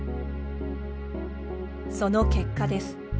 その結果です。